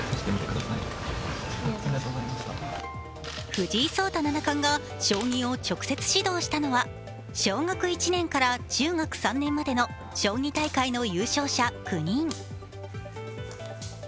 藤井聡太七冠が将棋を直接指導したのは小学１年生から中学３年までの将棋大会の優勝者９人。